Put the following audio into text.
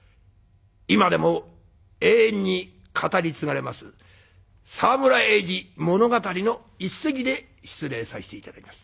今でも永遠に語り継がれます「沢村栄治物語」の一席で失礼させていただきます。